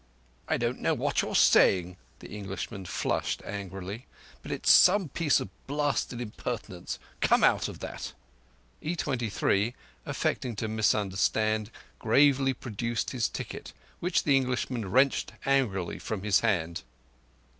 "I don't know what you're saying,"—the Englishman flushed angrily—"but it's some piece of blasted impertinence. Come out of that!" E23, affecting to misunderstand, gravely produced his ticket, which the Englishman wrenched angrily from his hand.